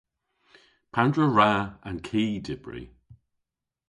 Pandr'a wra an ki dybri?